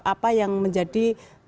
apa yang menjadi